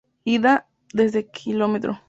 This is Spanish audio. Ida: Desde Km.